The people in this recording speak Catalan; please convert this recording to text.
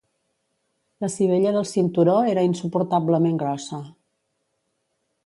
La sivella del cinturó era insuportablement grossa.